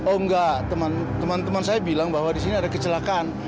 oh enggak teman teman saya bilang bahwa di sini ada kecelakaan